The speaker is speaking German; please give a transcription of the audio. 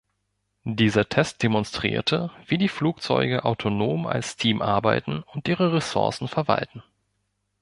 Dieser Test demonstrierte, wie die Flugzeuge autonom als Team arbeiten und ihre Ressourcen verwalten.